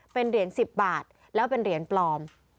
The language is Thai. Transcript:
เป็นเหรียญ๑๐บาทแล้วเป็นเหรียญปลอม